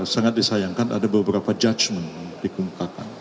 sangat disayangkan ada beberapa judgement dikemukakan